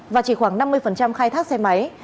và chỉ khoảng năm mươi khai thác xe máy